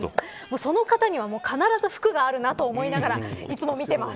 その方には必ず福があるなと思いながらいつも見てます。